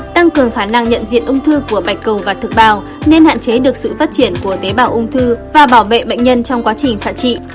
tăng cường khả năng nhận diện ung thư của bạch cầu và thực bào nên hạn chế được sự phát triển của tế bào ung thư và bảo vệ bệnh nhân trong quá trình sản trị